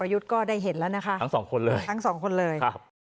อายุทธิ์ก็ได้เห็นแล้วนะคะทั้งสองคนเลย